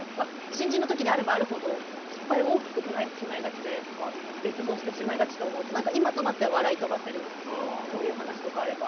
新人の時であればあるほど失敗を大きく捉えがちで絶望してしまいがちで今となっては笑い飛ばせるそういう話とかあれば。